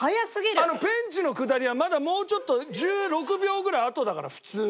あのペンチのくだりはまだもうちょっと１６秒ぐらいあとだから普通は。